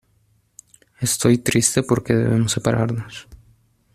estoy triste porque debemos separarnos.